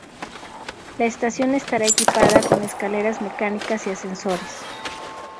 La estación estará equipada con escaleras mecánicas y ascensores.